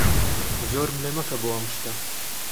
زۆرم لێ مەکە بۆ ئەم شتە.